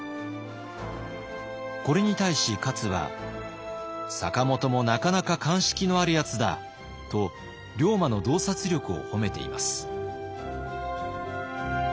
これに対し勝は「坂本もなかなか鑑識のある奴だ」と龍馬の洞察力を褒めています。